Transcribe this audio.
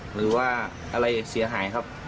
หรือว่าอะไรเสียหายครับ